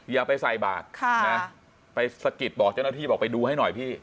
อย่าไปใส่บาทไปสะกิดบอกเจ้าหน้าที่บอกไปดูให้หน่อยพี่